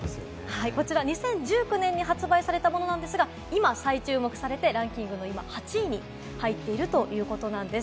２０１９年に発売されたものですが、今再注目されてランキングの８位に入っているということです。